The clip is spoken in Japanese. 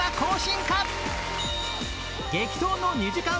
激闘の２時間